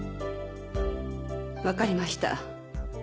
わかりました。